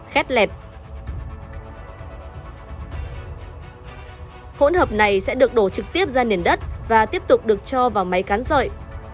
các hỗn hợp này sẽ được đổ trực tiếp ra nền đất và tiếp tục được cho vào máy cắn sợi